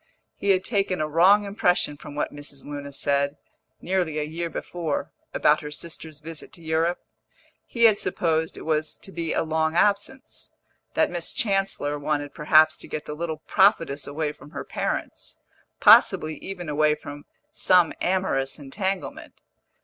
He had taken a wrong impression from what Mrs. Luna said, nearly a year before, about her sister's visit to Europe; he had supposed it was to be a long absence, that Miss Chancellor wanted perhaps to get the little prophetess away from her parents, possibly even away from some amorous entanglement.